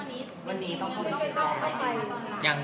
อันนี้ก็ตามขั้นตอนของเค้าครับ